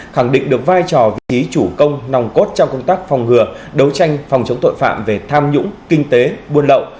khẳng định được vai trò vị trí chủ công nòng cốt trong công tác phòng ngừa đấu tranh phòng chống tội phạm về tham nhũng kinh tế buôn lậu